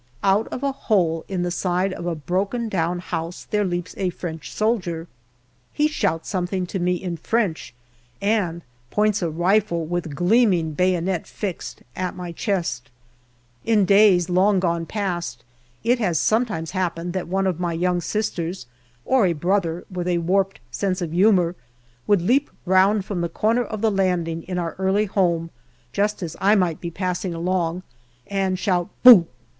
Out of a hole in the side of a broken down house there leaps a French soldier. He shouts something to me in French and points a rifle, with gleaming bayonet fixed, at my chest. In days long gone past, it has some times happened that one of my young sisters or a brother with a warped sense of humour would leap round from the corner of the landing in our early home, just as I might be passing along, and shout " Boo h